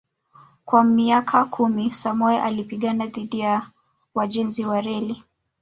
Kwa miaka kumi Samoei alipigana dhidi ya wajenzi wa reli